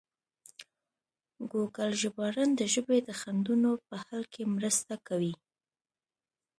ګوګل ژباړن د ژبې د خنډونو په حل کې مرسته کوي.